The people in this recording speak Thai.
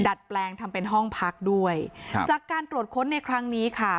ดัดแปลงทำเป็นห้องพักด้วยครับจากการตรวจค้นในครั้งนี้ค่ะ